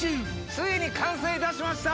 ついに完成いたしました！